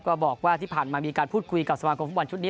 ก็บอกว่าที่ผ่านมามีการพูดคุยกับสมาคมฟุตบอลชุดนี้